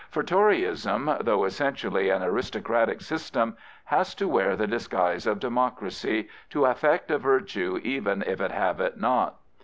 For Toryism, though essentially an aristocratic system, has to wear the disguise of democracy — to affect a virtue even if it have it not.